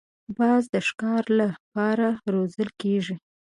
باز د ښکار له پاره روزل کېږي